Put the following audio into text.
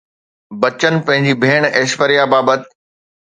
بچن پنهنجي ڀيڻ ايشوريا بابت